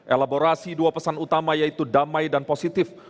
elaborasi dua pesan utama yaitu damai dan positif